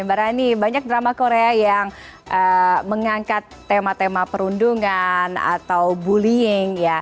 mbak rani banyak drama korea yang mengangkat tema tema perundungan atau bullying ya